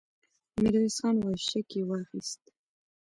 ميرويس خان وويل: شک يې واخيست!